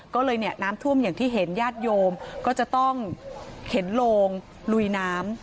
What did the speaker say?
ก็เลยเนี่ยน้ำท่วมอย่างที่เห็นญาติโยมก็จะต้องเข็นโลงลุยน้ำ